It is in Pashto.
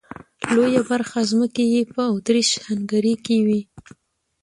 لويه برخه ځمکې یې په اتریش هنګري کې وې.